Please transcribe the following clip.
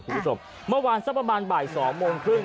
คุณผู้ชมเมื่อวานสักประมาณบ่าย๒โมงครึ่ง